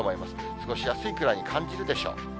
過ごしやすいくらいに感じるでしょう。